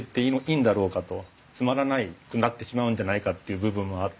つまらなくなってしまうんじゃないかっていう部分もあって。